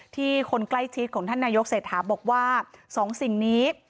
คนใกล้ชิดของท่านนายกเศรษฐาบอกว่าสองสิ่งนี้